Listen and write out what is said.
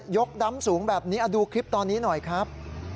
กดำสูงแบบนี้ดูคลิปตอนนี้หน่อยครับ